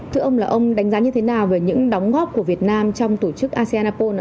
thưa ông là ông đánh giá như thế nào về những đóng góp của việt nam trong tổ chức asean apol ạ